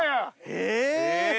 え！